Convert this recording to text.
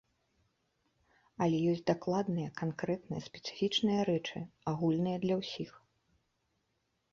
Але ёсць дакладныя, канкрэтныя, спецыфічныя рэчы, агульныя для ўсіх.